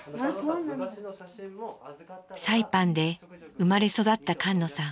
サイパンで生まれ育った菅野さん。